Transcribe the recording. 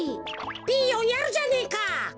ピーヨンやるじゃねえか。